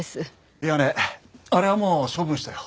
いやねあれはもう処分したよ。